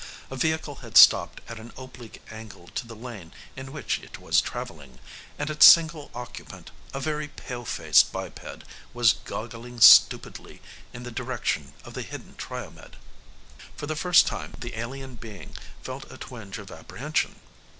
A vehicle had stopped at an oblique angle to the lane in which it was travelling, and its single occupant, a very pale faced biped was goggling stupidly in the direction of the hidden Triomed. For the first time, the alien being felt a twinge of apprehension.